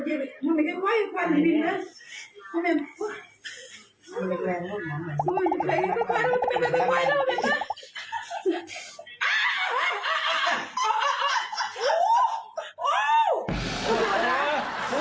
อุ๊ยไม่อยากเหมือนกัน